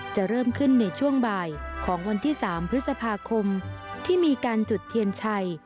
จะเริ่มขึ้นในช่วงบ่ายของวันที่๓พฤษภาคมที่มีการจุดเทียนชัย